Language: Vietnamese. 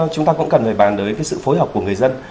chúng ta cũng cần phải bàn đối với sự phối hợp của người dân